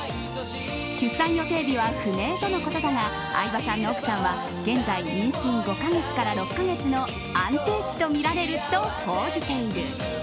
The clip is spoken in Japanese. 出産予定日は不明とのことだが相葉さんの奥さんは現在、妊娠５か月から６か月の安定期とみられると報じている。